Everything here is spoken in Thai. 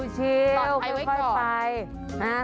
ชิลค่อยไป